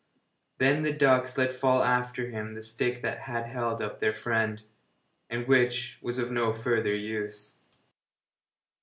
Then the ducks let fall after him the stick that had held up their friend, and which was of no further use.